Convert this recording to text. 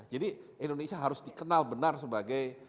jadi indonesia harus dikenal benar sebagai